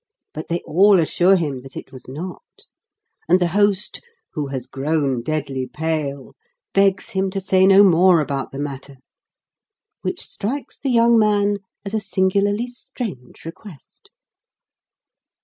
But they all assure him that it was not, and the host, who has grown deadly pale, begs him to say no more about the matter, which strikes the young man as a singularly strange request.